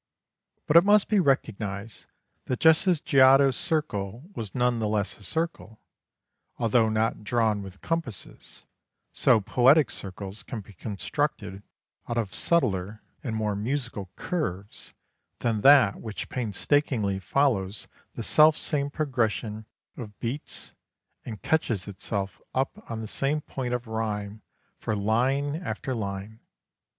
But it must be recognized that just as Giotto's circle was none the less a circle, although not drawn with compasses, so poetic circles can be constructed out of subtler and more musical curves than that which painstakingly follows the selfsame progression of beats, and catches itself up on the same point of rhyme for line after line.